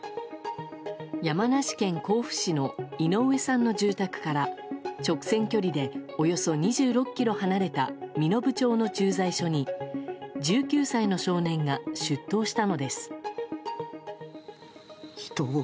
山梨県甲府市の井上さんの住宅から直線距離でおよそ２６ｋｍ離れた身延町の駐在所に１９歳の少年が出頭したのです。